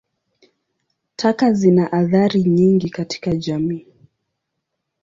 Taka zina athari nyingi katika jamii.